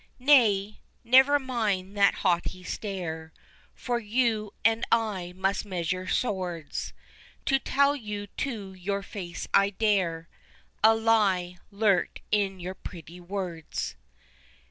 Nay, never mind that haughty stare, For you and I must measure swords, To tell you to your face I dare, A lie lurked in your pretty words.